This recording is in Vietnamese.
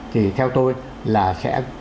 thì theo tôi là sẽ